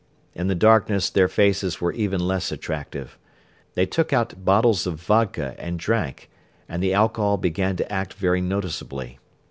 In the darkness their faces were even less attractive. They took out bottles of vodka and drank and the alcohol began to act very noticeably.